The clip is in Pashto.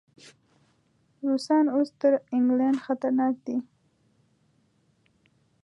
روسان اوس تر انګلینډ خطرناک دي.